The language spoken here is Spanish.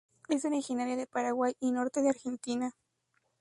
Es originaria de Paraguay y norte de Argentina.